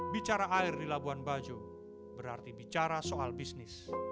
bicara air di labuan bajo berarti bicara soal bisnis